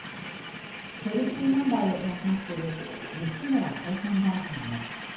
処理水問題を担当する西村経産大臣も。